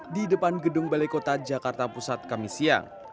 di depan gedung balai kota jakarta pusat kami siang